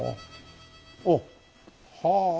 おっ！はあ。